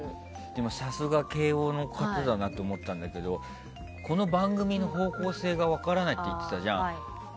でも、さすが慶應の方だなと思ったんだけどこの番組の方向性が分からないって言っていたじゃん。